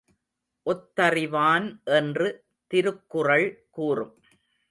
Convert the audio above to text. ஒத்தறிவான் என்று திருக்குறள் கூறும்.